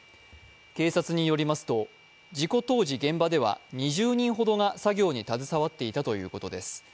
警察によりますと、事故当時現場では２０人ほどが作業に携わっていたということです。